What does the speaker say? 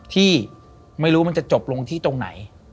ที่ไม่รู้มันจะจบลงที่ตรงไหน